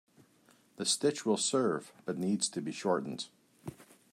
The stitch will serve but needs to be shortened.